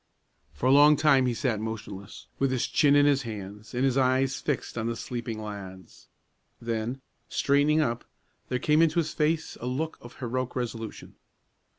For a long time he sat motionless, with his chin in his hands, and his eyes fixed on the sleeping lads. Then, straightening up, there came into his face a look of heroic resolution.